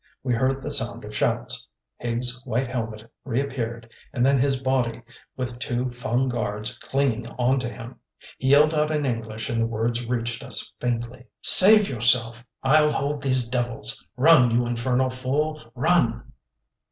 We heard the sound of shouts. Higgs's white helmet reappeared, and then his body, with two Fung guards clinging on to him. He yelled out in English and the words reached us faintly: "Save yourself! I'll hold these devils. Run, you infernal fool, run!"